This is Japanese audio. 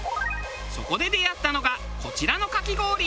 そこで出会ったのがこちらのかき氷。